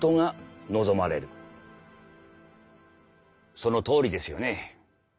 そのとおりですよね。